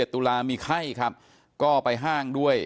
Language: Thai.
ตุลามีไข้ครับก็ไปห้างด้วย